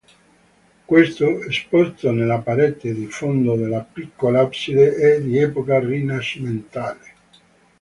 Questo, esposto nella parete di fondo della piccola abside, è di epoca rinascimentale.